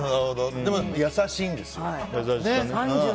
でも優しいんですよ。